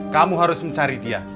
kamu harus mencari dia